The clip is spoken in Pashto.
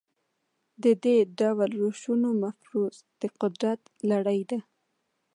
د دې ډول روشونو مفروض د قدرت لړۍ ده.